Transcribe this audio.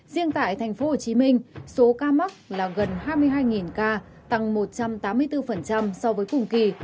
riêng tại thành phố hồ chí minh số ca mắc là gần hai mươi hai ca tăng một trăm tám mươi bốn so với cùng kỳ